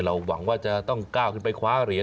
หวังว่าจะต้องก้าวขึ้นไปคว้าเหรียญ